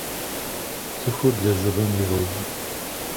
Цӏыхур лэжьыгъэм ироин.